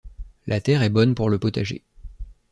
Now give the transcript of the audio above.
la terre est bonne pour le potagé